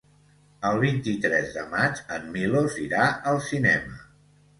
El vint-i-tres de maig en Milos irà al cinema.